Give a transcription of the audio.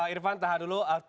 irfan tahan dulu